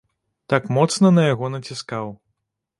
Так моцна на яго націскаў.